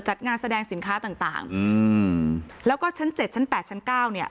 จัดงานแสดงสินค้าต่างอืมแล้วก็ชั้น๗ชั้น๘ชั้น๙เนี่ย